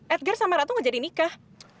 edgar sama ratu gak jadi nikah